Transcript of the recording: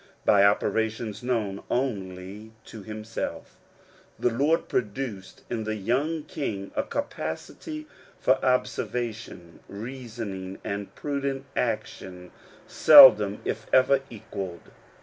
By operations known only to himself, the Lord pro duced in the young king a capacity for observa tion, reasoning, and prudent action, seldom if ever equaled.